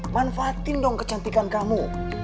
manfaatin dong kecantikan kamu